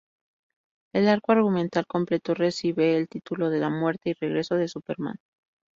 El arco argumental completo recibe el título de La Muerte y Regreso de Superman.